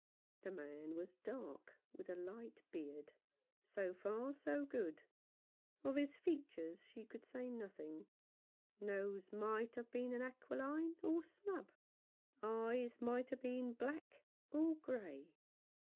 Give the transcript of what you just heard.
The man was dark, with a light beard. So far, so good. Of his features she could say nothing ; nose might have been aquiline or snub, eyes might have been black or grey.